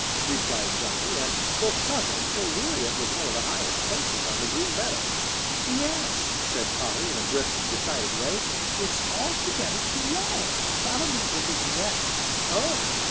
replied Johnny, and looked puzzled, for really it was one of the highest places on the Green Meadows. "Yes," said Polly, in a brisk, decided way, "it's altogether too low. Probably it is wet." "Oh!"